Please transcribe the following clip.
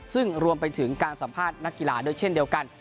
ซึ่งรวมไปถึงการสัมภาษณ์นักกีฬาด้วยเช่นเดียวกัน